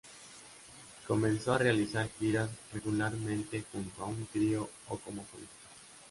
Comenzó a realizar giras regularmente, junto a un trío o como solista.